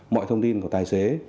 mọi thông tin của tài xế